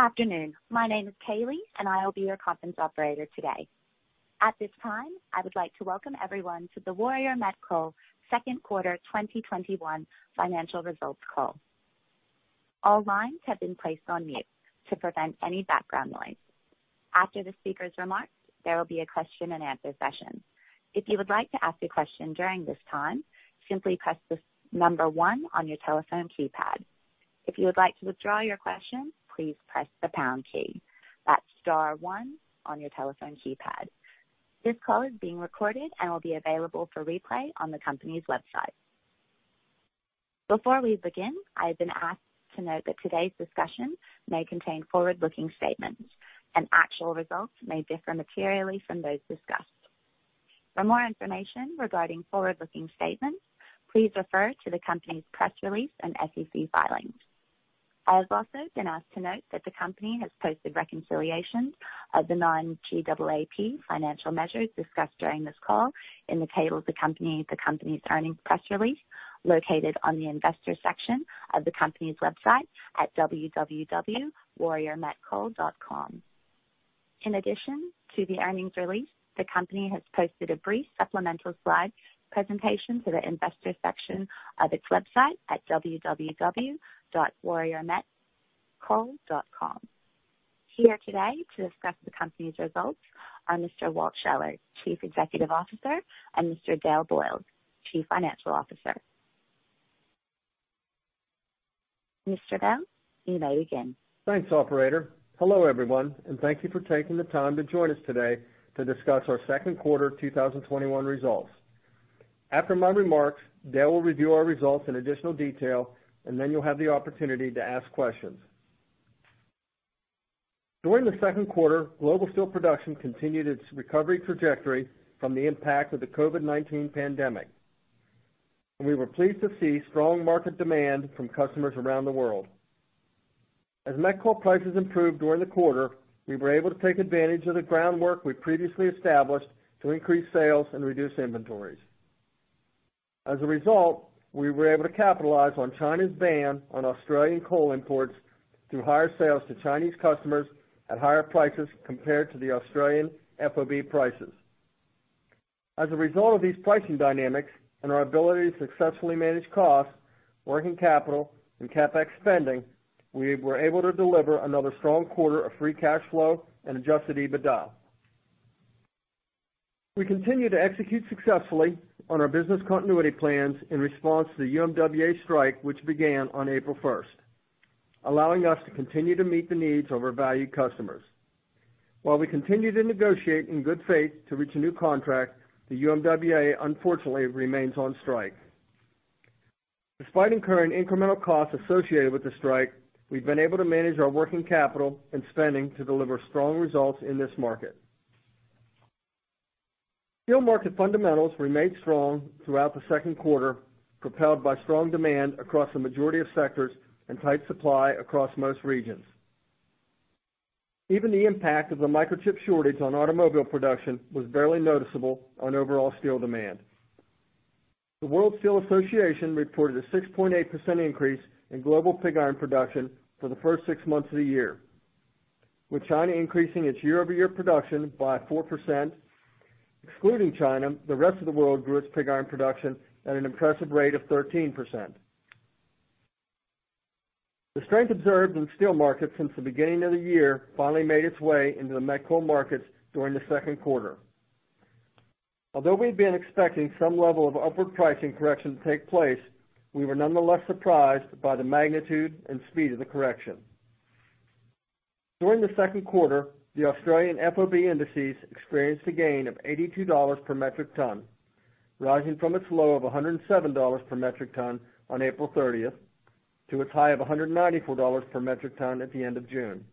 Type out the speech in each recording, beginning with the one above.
Afternoon. My name is Kaylee. I will be your conference operator today. At this time, I would like to welcome everyone to the Warrior Met Coal Second Quarter 2021 financial results call. All lines have been placed on mute to prevent any background noise. After the speaker's remarks, there will be a Q&A session. If you would like to ask a question during this time, simply press the number one on your telephone keypad. If you would like to withdraw your question, please press the pound key. That's star one on your telephone keypad. This call is being recorded and will be available for replay on the company's website. Before we begin, I have been asked to note that today's discussion may contain forward-looking statements. Actual results may differ materially from those discussed. For more information regarding forward-looking statements, please refer to the company's press release and SEC filings. I have also been asked to note that the company has posted reconciliations of the non-GAAP financial measures discussed during this call in the tables accompanying the company's earnings press release located on the investor section of the company's website at www.warriormetcoal.com. In addition to the earnings release, the company has posted a brief supplemental slides presentation to the investor section of its website at www.warriormetcoal.com. Here today to discuss the company's results are Mr. Walt Scheller, Chief Executive Officer, and Mr. Dale Boyles, Chief Financial Officer. Mr. Boyles, you may begin. Thanks, operator. Hello, everyone, thank you for taking the time to join us today to discuss our second quarter 2021 results. After my remarks, Dale will review our results in additional detail, and then you'll have the opportunity to ask questions. During the second quarter, global steel production continued its recovery trajectory from the impact of the COVID-19 pandemic. We were pleased to see strong market demand from customers around the world. As met coal prices improved during the quarter, we were able to take advantage of the groundwork we previously established to increase sales and reduce inventories. As a result, we were able to capitalize on China's ban on Australian coal imports through higher sales to Chinese customers at higher prices compared to the Australian FOB prices. As a result of these pricing dynamics and our ability to successfully manage cost, working capital, and CapEx spending, we were able to deliver another strong quarter of free cash flow and adjusted EBITDA. We continue to execute successfully on our business continuity plans in response to the UMWA strike which began on April 1st, allowing us to continue to meet the needs of our valued customers. While we continue to negotiate in good faith to reach a new contract, the UMWA unfortunately remains on strike. Despite incurring incremental costs associated with the strike, we've been able to manage our working capital and spending to deliver strong results in this market. Steel market fundamentals remained strong throughout the second quarter, propelled by strong demand across the majority of sectors and tight supply across most regions. Even the impact of the microchip shortage on automobile production was barely noticeable on overall steel demand. The World Steel Association reported a 6.8% increase in global pig iron production for the first six months of the year, with China increasing its year-over-year production by 4%. Excluding China, the rest of the world grew its pig iron production at an impressive rate of 13%. The strength observed in the steel market since the beginning of the year finally made its way into the met coal markets during the second quarter. Although we've been expecting some level of upward pricing correction to take place, we were nonetheless surprised by the magnitude and speed of the correction. During the second quarter, the Australian FOB indices experienced a gain of $82 per metric ton, rising from its low of $107 per metric ton on April 30th to its high of $194 per metric ton at the end of June.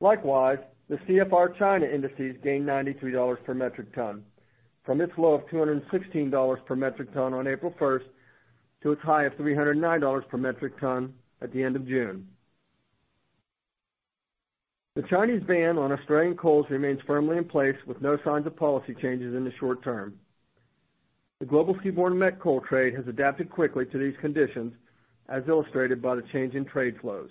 Likewise, the CFR China indices gained $93 per metric ton from its low of $216 per metric ton on April 1st to its high of $309 per metric ton at the end of June. The Chinese ban on Australian coals remains firmly in place with no signs of policy changes in the short term. The global seaborne met coal trade has adapted quickly to these conditions, as illustrated by the change in trade flows.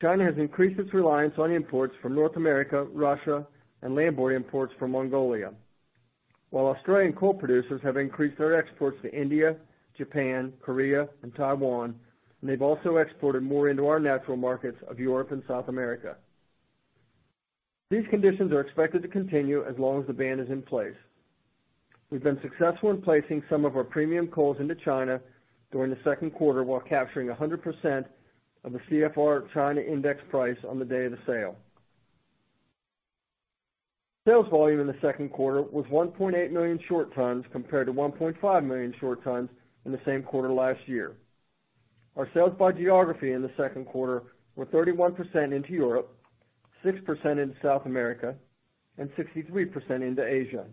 China has increased its reliance on imports from North America, Russia, and land border imports from Mongolia. Australian coal producers have increased their exports to India, Japan, Korea, and Taiwan, and they've also exported more into our natural markets of Europe and South America. These conditions are expected to continue as long as the ban is in place. We've been successful in placing some of our premium coals into China during the second quarter while capturing 100% of the CFR China index price on the day of the sale. Sales volume in the second quarter was 1.8 million short tons compared to 1.5 million short tons in the same quarter last year. Our sales by geography in the second quarter were 31% into Europe, 6% into South America, and 63% into Asia.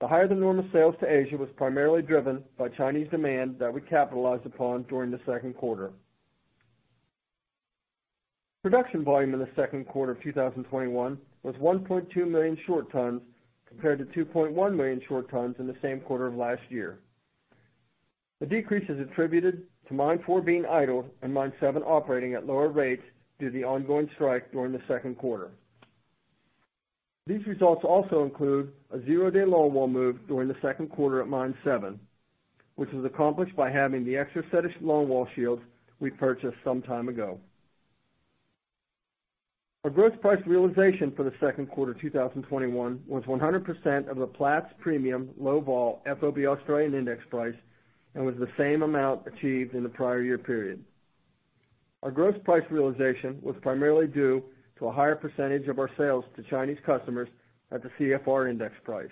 The higher-than-normal sales to Asia was primarily driven by Chinese demand that we capitalized upon during the second quarter. Production volume in the second quarter of 2021 was 1.2 million short tons, compared to 2.1 million short tons in the same quarter of last year. The decrease is attributed to Mine 4 being idle and Mine 7 operating at lower rates due to the ongoing strike during the second quarter. These results also include a zero-day longwall move during the second quarter at Mine 7, which was accomplished by having the extra set of longwall shields we purchased some time ago. Our gross price realization for the second quarter 2021 was 100% of the Platts premium low vol FOB Australian index price and was the same amount achieved in the prior year period. Our gross price realization was primarily due to a higher percentage of our sales to Chinese customers at the CFR index price.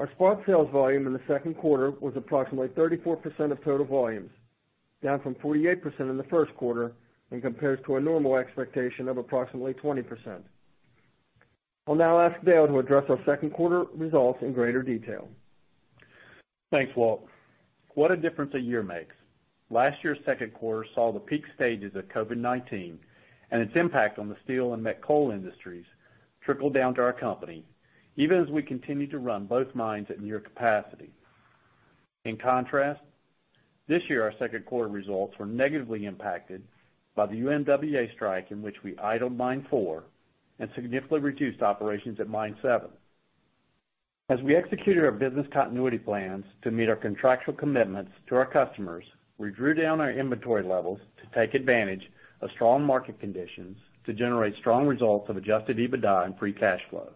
Our spot sales volume in the second quarter was approximately 34% of total volumes, down from 48% in the first quarter and compares to a normal expectation of approximately 20%. I'll now ask Dale to address our second quarter results in greater detail. Thanks, Walt. What a difference a year makes. Last year's second quarter saw the peak stages of COVID-19 and its impact on the steel and met coal industries trickle down to our company, even as we continued to run both mines at near capacity. In contrast, this year, our second quarter results were negatively impacted by the UMWA strike, in which we idled Mine 4 and significantly reduced operations at Mine 7. As we executed our business continuity plans to meet our contractual commitments to our customers, we drew down our inventory levels to take advantage of strong market conditions to generate strong results of adjusted EBITDA and free cash flow.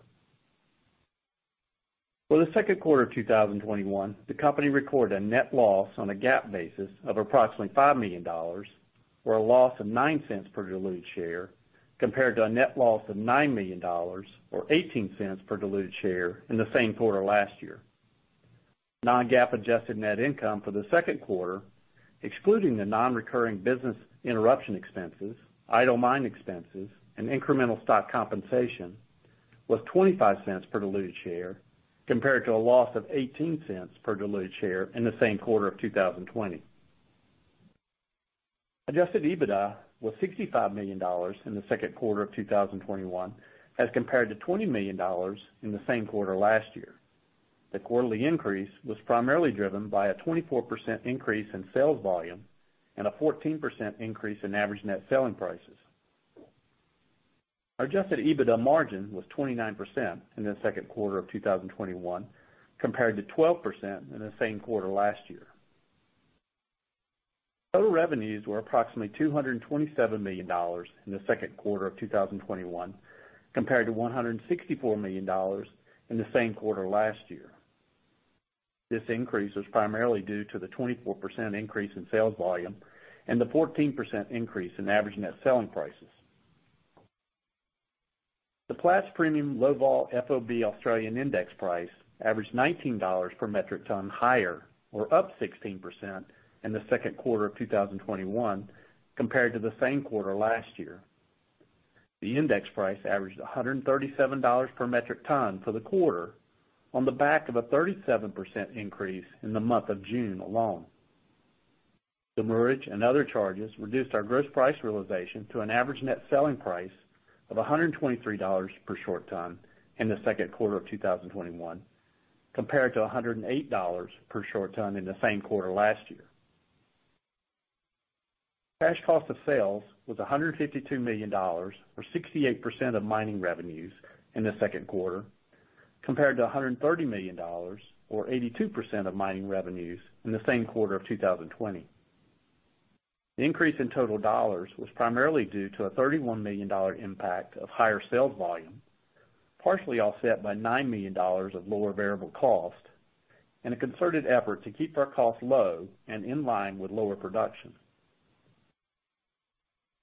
For the second quarter of 2021, the company recorded a net loss on a GAAP basis of approximately $5 million, or a loss of $0.09 per diluted share, compared to a net loss of $9 million or $0.18 per diluted share in the same quarter last year. Non-GAAP adjusted net income for the second quarter, excluding the non-recurring business interruption expenses, idle mine expenses, and incremental stock compensation, was $0.25 per diluted share compared to a loss of $0.18 per diluted share in the same quarter of 2020. Adjusted EBITDA was $65 million in the second quarter of 2021 as compared to $20 million in the same quarter last year. The quarterly increase was primarily driven by a 24% increase in sales volume and a 14% increase in average net selling prices. Our adjusted EBITDA margin was 29% in the second quarter of 2021 compared to 12% in the same quarter last year. Total revenues were approximately $227 million in the second quarter of 2021 compared to $164 million in the same quarter last year. This increase was primarily due to the 24% increase in sales volume and the 14% increase in average net selling prices. The Platts premium low vol FOB Australian index price averaged $19 per metric ton higher, or up 16%, in the second quarter of 2021 compared to the same quarter last year. The index price averaged $137 per metric ton for the quarter on the back of a 37% increase in the month of June alone. Demurrage and other charges reduced our gross price realization to an average net selling price of $123 per short ton in the second quarter of 2021 compared to $108 per short ton in the same quarter last year. Cash cost of sales was $152 million, or 68% of mining revenues in the second quarter, compared to $130 million or 82% of mining revenues in the same quarter of 2020. The increase in total dollars was primarily due to a $31 million impact of higher sales volume, partially offset by $9 million of lower variable cost and a concerted effort to keep our costs low and in line with lower production.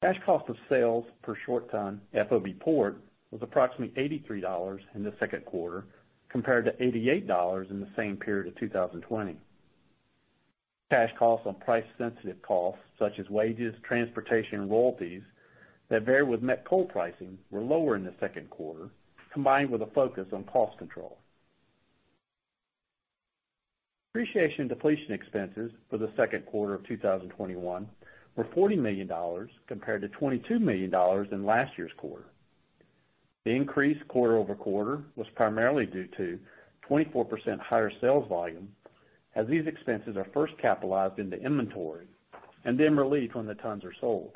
Cash cost of sales per short ton FOB port was approximately $83 in the second quarter compared to $88 in the same period of 2020. Cash costs on price sensitive costs such as wages, transportation, and royalties that vary with met coal pricing were lower in the second quarter, combined with a focus on cost control. Depreciation and depletion expenses for the second quarter of 2021 were $40 million, compared to $22 million in last year's quarter. The increase quarter-over-quarter was primarily due to 24% higher sales volume, as these expenses are first capitalized into inventory and then relieved when the tons are sold.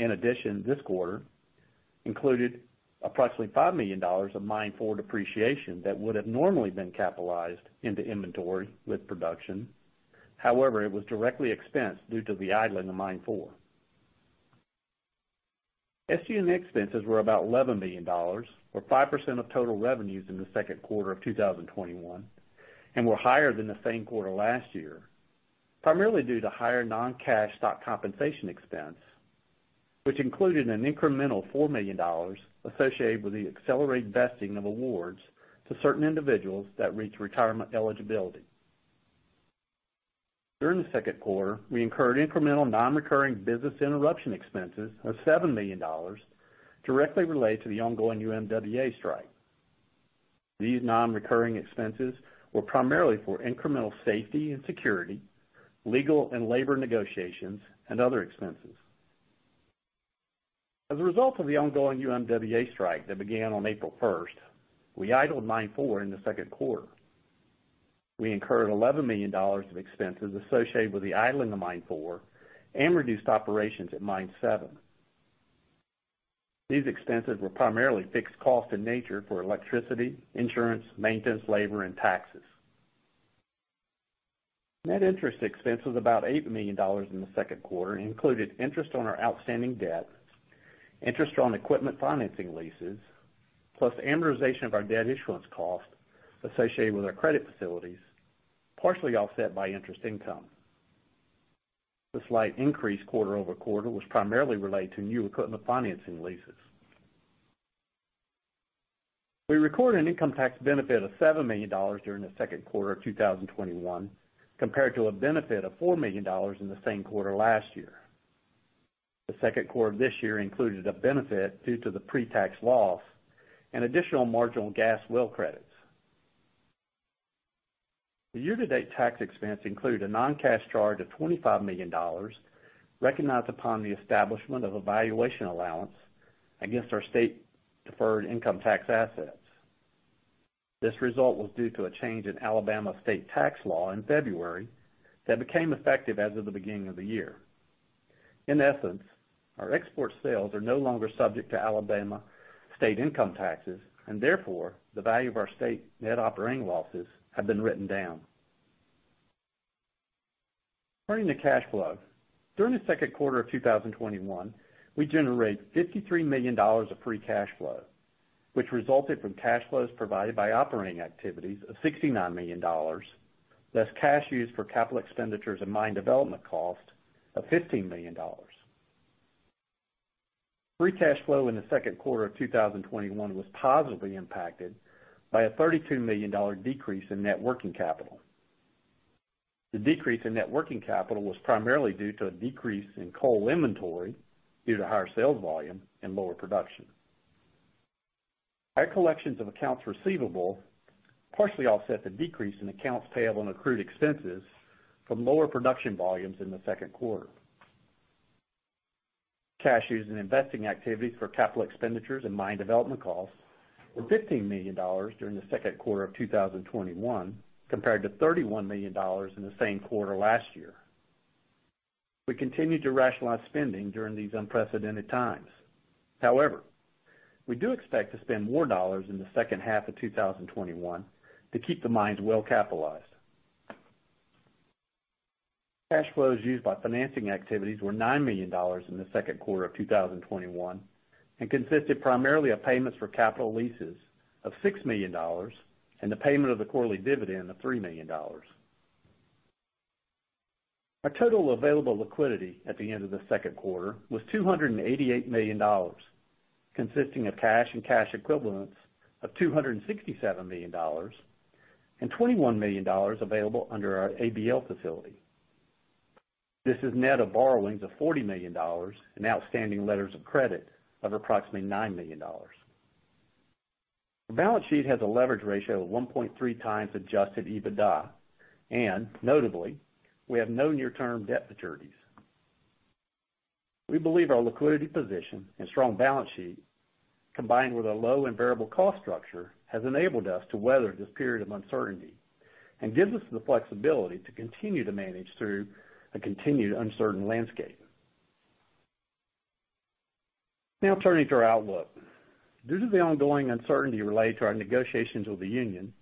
In addition, this quarter included approximately $5 million of Mine 4 depreciation that would have normally been capitalized into inventory with production. However, it was directly expensed due to the idling of Mine 4. SG&A expenses were about $11 million, or 5% of total revenues in the second quarter of 2021, and were higher than the same quarter last year, primarily due to higher non-cash stock compensation expense, which included an incremental $4 million associated with the accelerated vesting of awards to certain individuals that reached retirement eligibility. During the second quarter, we incurred incremental non-recurring business interruption expenses of $7 million directly related to the ongoing UMWA strike. These non-recurring expenses were primarily for incremental safety and security, legal and labor negotiations, and other expenses. As a result of the ongoing UMWA strike that began on April 1st, we idled Mine 4 in the second quarter. We incurred $11 million of expenses associated with the idling of Mine 4 and reduced operations at Mine 7. These expenses were primarily fixed costs in nature for electricity, insurance, maintenance, labor, and taxes. Net interest expense was about $8 million in the second quarter and included interest on our outstanding debt, interest on equipment financing leases, plus amortization of our debt issuance cost associated with our credit facilities, partially offset by interest income. The slight increase quarter-over-quarter was primarily related to new equipment financing leases. We recorded an income tax benefit of $7 million during the second quarter of 2021, compared to a benefit of $4 million in the same quarter last year. The second quarter of this year included a benefit due to the pre-tax loss and additional marginal gas well credits. The year-to-date tax expense include a non-cash charge of $25 million recognized upon the establishment of a valuation allowance against our state deferred income tax assets. This result was due to a change in Alabama state tax law in February that became effective as of the beginning of the year. In essence, our export sales are no longer subject to Alabama state income taxes, and therefore, the value of our state net operating losses have been written down. Turning to cash flow. During the second quarter of 2021, we generated $53 million of free cash flow, which resulted from cash flows provided by operating activities of $69 million, less cash used for capital expenditures and mine development cost of $15 million. Free cash flow in the second quarter of 2021 was positively impacted by a $32 million decrease in net working capital. The decrease in net working capital was primarily due to a decrease in coal inventory due to higher sales volume and lower production. Higher collections of accounts receivable partially offset the decrease in accounts payable and accrued expenses from lower production volumes in the second quarter. Cash used in investing activities for capital expenditures and mine development costs were $15 million during the second quarter of 2021, compared to $31 million in the same quarter last year. We continue to rationalize spending during these unprecedented times. However, we do expect to spend more dollars in the second half of 2021 to keep the mines well-capitalized. Cash flows used by financing activities were $9 million in the second quarter of 2021 and consisted primarily of payments for capital leases of $6 million and the payment of the quarterly dividend of $3 million. Our total available liquidity at the end of the second quarter was $288 million, consisting of cash and cash equivalents of $267 million and $21 million available under our ABL facility. This is net of borrowings of $40 million and outstanding letters of credit of approximately $9 million. Our balance sheet has a leverage ratio of 1.3x adjusted EBITDA. Notably, we have no near-term debt maturities. We believe our liquidity position and strong balance sheet, combined with a low and variable cost structure, has enabled us to weather this period of uncertainty and gives us the flexibility to continue to manage through a continued uncertain landscape. Turning to our outlook. Due to the ongoing uncertainty related to our negotiations with the union,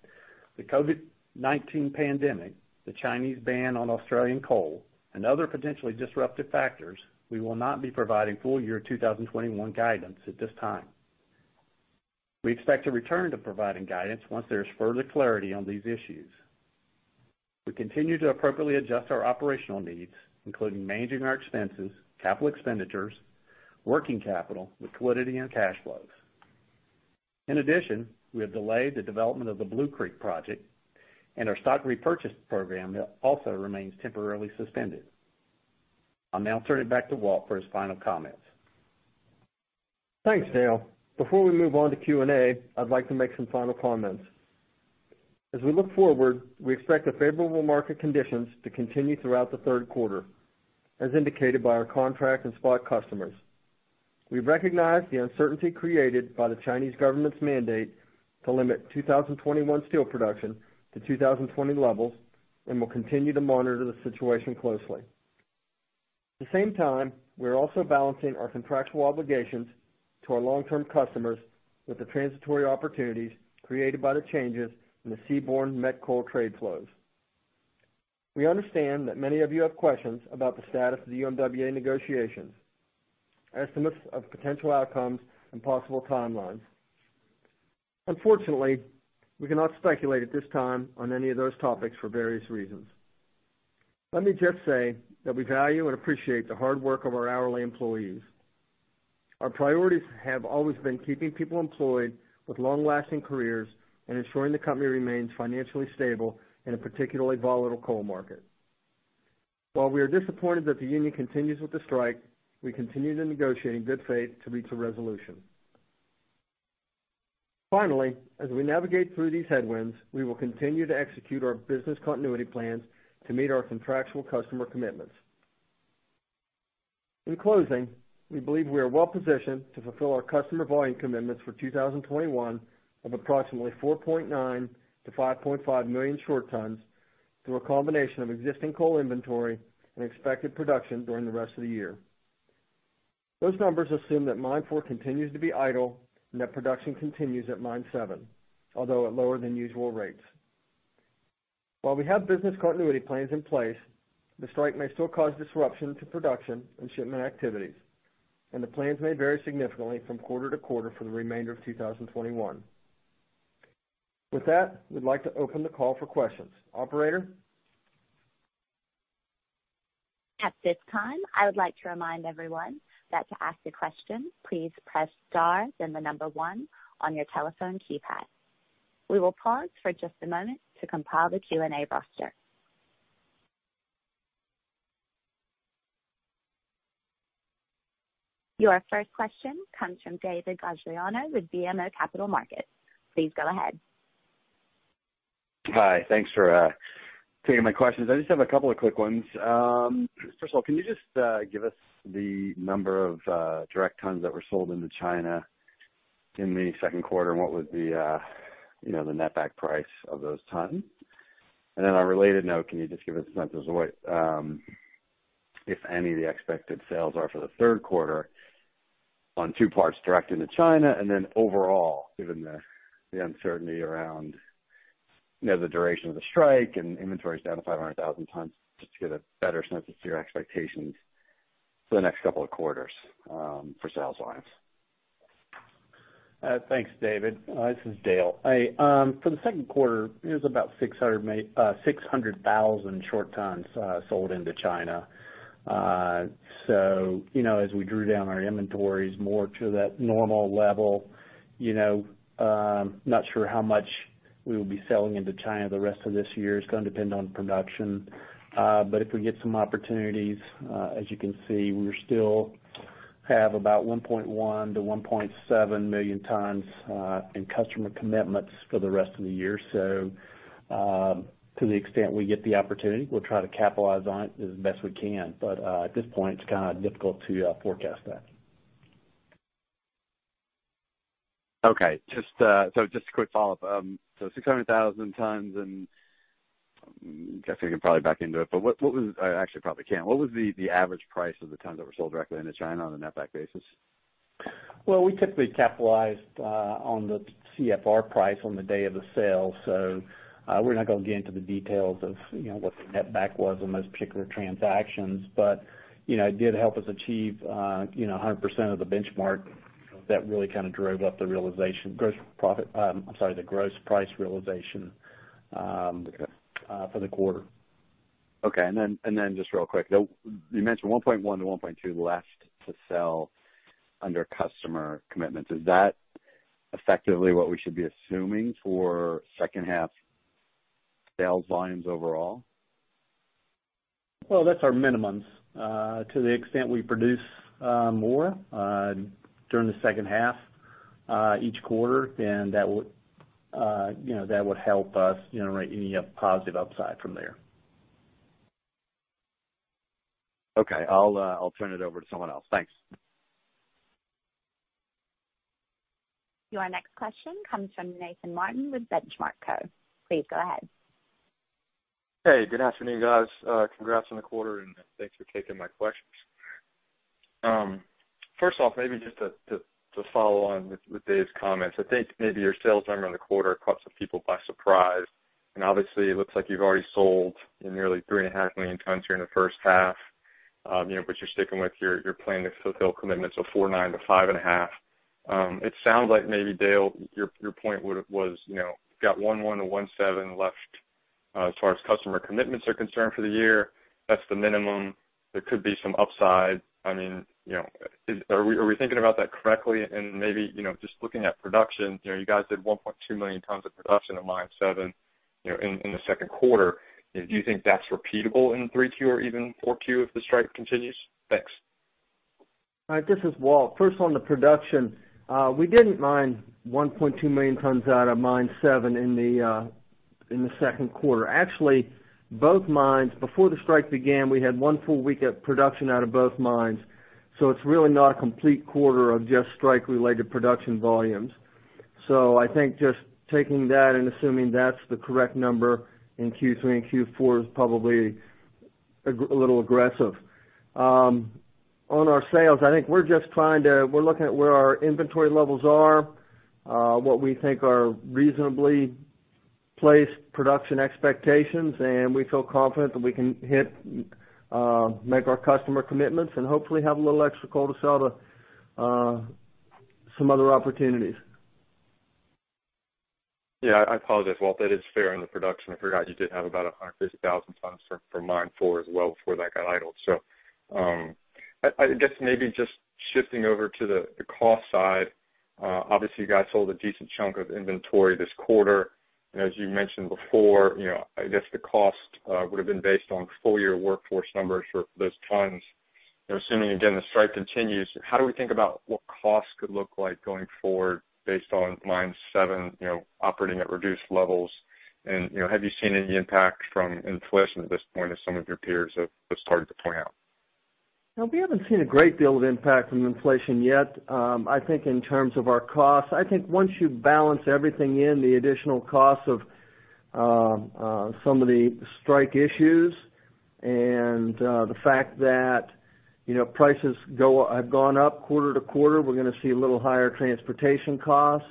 the COVID-19 pandemic, the Chinese ban on Australian coal, and other potentially disruptive factors, we will not be providing full year 2021 guidance at this time. We expect to return to providing guidance once there is further clarity on these issues. We continue to appropriately adjust our operational needs, including managing our expenses, capital expenditures, working capital, liquidity, and cash flows. In addition, we have delayed the development of the Blue Creek Project and our stock repurchase program also remains temporarily suspended. I'll now turn it back to Walt for his final comments. Thanks, Dale. Before we move on to Q&A, I'd like to make some final comments. As we look forward, we expect the favorable market conditions to continue throughout the third quarter, as indicated by our contract and spot customers. We recognize the uncertainty created by the Chinese government's mandate to limit 2021 steel production to 2020 levels and will continue to monitor the situation closely. At the same time, we are also balancing our contractual obligations to our long-term customers with the transitory opportunities created by the changes in the seaborne Met Coal trade flows. We understand that many of you have questions about the status of the UMWA negotiations, estimates of potential outcomes, and possible timelines. Unfortunately, we cannot speculate at this time on any of those topics for various reasons. Let me just say that we value and appreciate the hard work of our hourly employees. Our priorities have always been keeping people employed with long-lasting careers and ensuring the company remains financially stable in a particularly volatile coal market. While we are disappointed that the union continues with the strike, we continue to negotiate in good faith to reach a resolution. Finally, as we navigate through these headwinds, we will continue to execute our business continuity plans to meet our contractual customer commitments. In closing, we believe we are well-positioned to fulfill our customer volume commitments for 2021 of approximately 4.9 million-5.5 million short tons through a combination of existing coal inventory and expected production during the rest of the year. Those numbers assume that Mine 4 continues to be idle and that production continues at Mine 7, although at lower than usual rates. While we have business continuity plans in place, the strike may still cause disruption to production and shipment activities, and the plans may vary significantly from quarter to quarter for the remainder of 2021. With that, we'd like to open the call for questions. Operator? At this time, I would like to remind everyone that to ask a question, please press star then the number one on your telephone keypad. We will pause for just a moment to compile the Q&A roster. Your first question comes from David Gagliano with BMO Capital Markets. Please go ahead. Hi. Thanks for taking my questions. I just have a couple of quick ones. First of all, can you just give us the number of direct tons that were sold into China in the second quarter, and what was the netback price of those tons? On a related note, can you just give us a sense of what, if any, of the expected sales are for the third quarter on two parts direct into China and then overall, given the uncertainty around the duration of the strike and inventory is down to 500,000 tons, just to get a better sense of your expectations for the next couple of quarters for sales lines. Thanks, David. This is Dale. For the second quarter, it was about 600,000 short tons sold into China. As we drew down our inventories more to that normal level, I'm not sure how much we will be selling into China the rest of this year. It's going to depend on production. If we get some opportunities, as you can see, we still have about 1.1 million-1.7 million tons in customer commitments for the rest of the year. To the extent we get the opportunity, we'll try to capitalize on it as best we can. At this point, it's kind of difficult to forecast that. Okay. Just a quick follow-up. 600,000 tons and I guess I can probably back into it. I actually probably can. What was the average price of the tons that were sold directly into China on a netback basis? Well, we typically capitalized on the CFR price on the day of the sale, so we're not going to get into the details of what the netback was on those particular transactions. It did help us achieve 100% of the benchmark that really drove up the gross price realization- Okay. for the quarter. Okay. Just real quick, you mentioned 1.1 million to 1.2 million tons left to sell under customer commitments. Is that effectively what we should be assuming for second half sales volumes overall? Well, that's our minimum. To the extent we produce more during the second half each quarter, then that would help us generate any positive upside from there. Okay. I'll turn it over to someone else. Thanks. Your next question comes from Nathan Martin with Benchmark Co. Please go ahead. Hey, good afternoon, guys. Congrats on the quarter, and thanks for taking my questions. First off, maybe just to follow on with Dave's comments. I think maybe your sales number on the quarter caught some people by surprise, and obviously it looks like you've already sold nearly 3.5 million tons here in the first half. You're sticking with your plan to fulfill commitments of 4.9 million-5.5 million tons. It sounds like maybe, Dale, your point was you've got 1.1 million-1.7 million tons left as far as customer commitments are concerned for the year. That's the minimum. There could be some upside. Are we thinking about that correctly? Maybe just looking at production, you guys did 1.2 million tons of production at Mine 7 in the second quarter. Do you think that's repeatable in 3Q or even 4Q if the strike continues? Thanks. This is Walt. First on the production, we didn't mine 1.2 million tons out of Mine 7 in the second quarter. Actually, both mines, before the strike began, we had one full week of production out of both mines. It's really not a complete quarter of just strike-related production volumes. I think just taking that and assuming that's the correct number in Q3 and Q4 is probably a little aggressive. On our sales, I think we're looking at where our inventory levels are, what we think are reasonably placed production expectations, and we feel confident that we can make our customer commitments and hopefully have a little extra coal to sell to some other opportunities. Yeah. I apologize, Walt. That is fair on the production. I forgot you did have about 150,000 tons from Mine 4 as well before that got idled. I guess maybe just shifting over to the cost side. Obviously, you guys sold a decent chunk of inventory this quarter. As you mentioned before, I guess the cost would have been based on full-year workforce numbers for those tons. Assuming, again, the strike continues, how do we think about what costs could look like going forward based on Mine 7 operating at reduced levels? Have you seen any impact from inflation at this point, as some of your peers have started to point out? No, we haven't seen a great deal of impact from inflation yet. I think in terms of our costs, I think once you balance everything in, the additional costs of some of the strike issues and the fact that prices have gone up quarter-to-quarter, we're going to see a little higher transportation costs.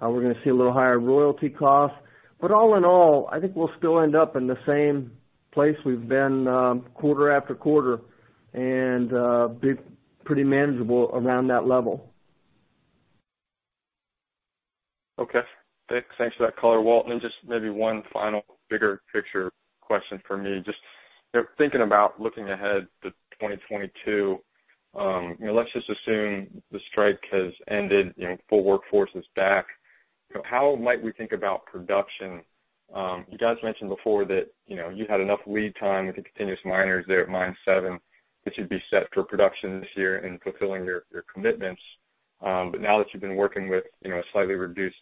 We're going to see a little higher royalty cost. All in all, I think we'll still end up in the same place we've been quarter after quarter and be pretty manageable around that level. Okay. Thanks for that color, Walt. Just maybe one final bigger picture question for me, just thinking about looking ahead to 2022. Let's just assume the strike has ended, full workforce is back. How might we think about production? You guys mentioned before that you had enough lead time with the continuous miners there at Mine 7, that you'd be set for production this year and fulfilling your commitments. Now that you've been working with a slightly reduced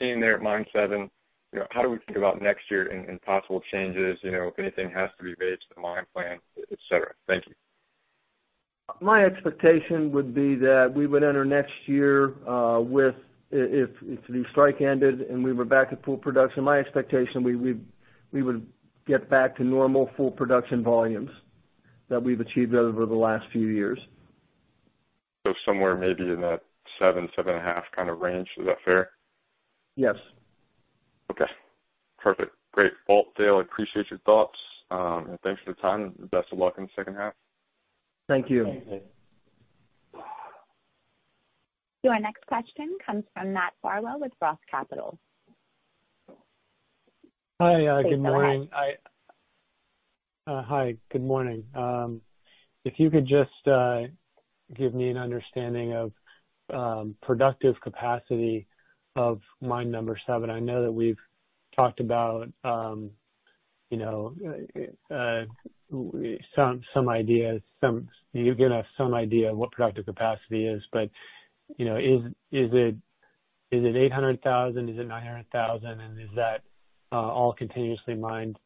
team there at Mine 7, how do we think about next year and possible changes, if anything has to be waged in the mine plan, et cetera? Thank you. My expectation would be that we would enter next year with, if the strike ended and we were back at full production, my expectation, we would get back to normal full production volumes that we've achieved over the last few years. Somewhere maybe in that 7.5 kind of range. Is that fair? Yes. Okay, perfect. Great. Walt, Dale, appreciate your thoughts. Thanks for the time, and best of luck in the second half. Thank you. Your next question comes from Matt Farwell with Roth Capital. Hi, good morning. Please go ahead. Hi, good morning. If you could just give me an understanding of productive capacity of mine number seven. I know that we've talked about some ideas. You've given us some idea of what productive capacity is, but is it $800,000? Is it $900,000? Is that all continuously mined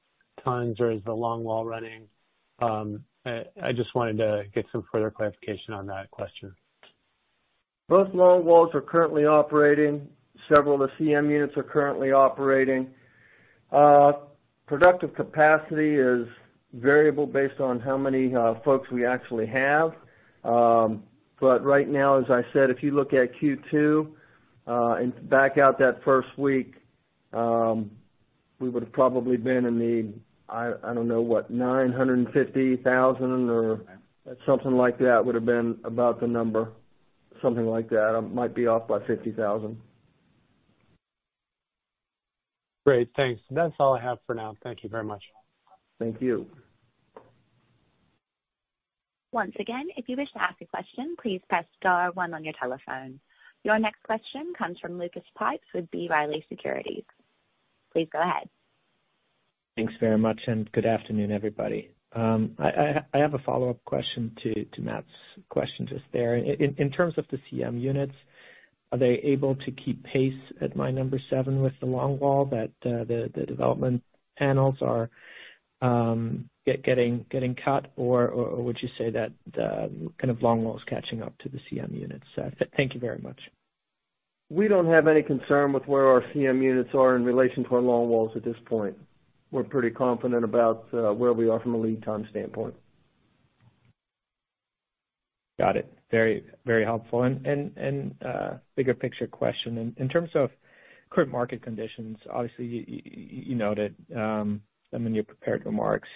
tons, or is the longwall running? I just wanted to get some further clarification on that question. Both longwalls are currently operating. Several of the CM units are currently operating. Productive capacity is variable based on how many folks we actually have. Right now, as I said, if you look at Q2 and back out that first week, we would've probably been in the, I don't know, what, 950,000 or something like that would have been about the number. Something like that. I might be off by 50,000. Great. Thanks. That's all I have for now. Thank you very much. Thank you. Once again, if you wish to ask a question, please press star one on your telephone. Your next question comes from Lucas Pipes with B. Riley Securities. Please go ahead. Thanks very much, and good afternoon, everybody. I have a follow-up question to Matt's question just there. In terms of the CM units, are they able to keep pace at mine number seven with the longwall that the development panels are getting cut, or would you say that the kind of longwall is catching up to the CM units? Thank you very much. We don't have any concern with where our CM units are in relation to our longwalls at this point. We're pretty confident about where we are from a lead time standpoint. Got it. Very helpful. Bigger picture question. In terms of current market conditions, obviously, you noted in your prepared remarks,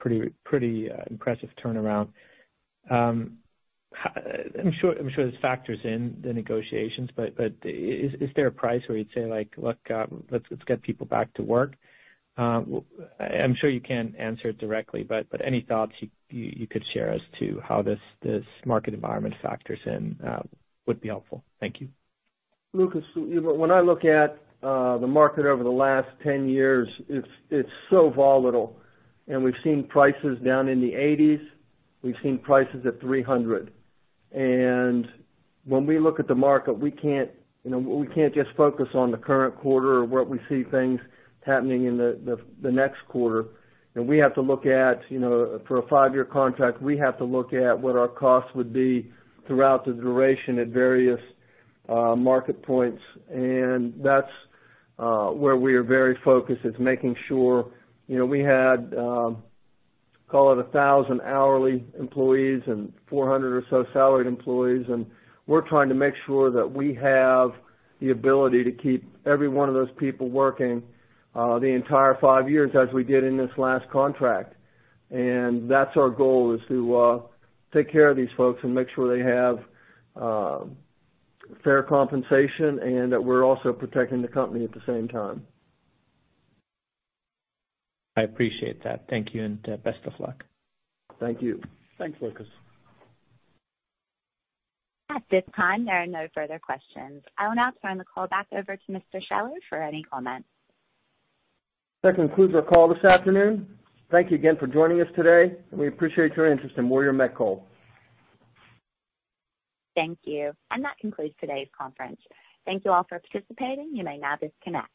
pretty impressive turnaround. I'm sure this factors in the negotiations, but is there a price where you'd say, like, "Look, let's get people back to work"? I'm sure you can't answer it directly, but any thoughts you could share as to how this market environment factors in would be helpful. Thank you. Lucas, when I look at the market over the last 10 years, it's so volatile. We've seen prices down in the $80s, we've seen prices at $300. When we look at the market, we can't just focus on the current quarter or what we see things happening in the next quarter. We have to look at, for a five-year contract, we have to look at what our costs would be throughout the duration at various market points, and that's where we are very focused is making sure. We had, call it 1,000 hourly employees and 400 or so salaried employees, and we're trying to make sure that we have the ability to keep every one of those people working the entire five years as we did in this last contract. That's our goal, is to take care of these folks and make sure they have fair compensation and that we're also protecting the company at the same time. I appreciate that. Thank you, and best of luck. Thank you. Thanks, Lucas. At this time, there are no further questions. I will now turn the call back over to Mr. Scheller for any comments. That concludes our call this afternoon. Thank you again for joining us today, and we appreciate your interest in Warrior Met Coal. Thank you. That concludes today's conference. Thank you all for participating. You may now disconnect.